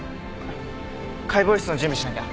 解剖室の準備しなきゃ。